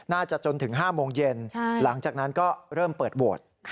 น่าจะจนถึง๕โมงเย็นหลังจากนั้นก็เริ่มเปิดโหวต